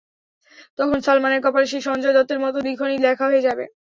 তখন সালমানের কপালে সেই সঞ্জয় দত্তের মতো লিখনই লেখা হয়ে যাবে।